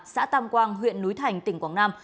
xã tam quang huyện núi thành tỉnh quảng nam